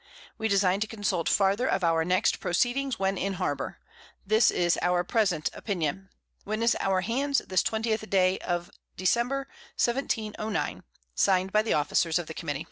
We design to consult farther of our next Proceedings, when in Harbour. This is our present Opinion. Witness our Hands this_ 20th of December, 1709. Signed by the Officers of the Committee.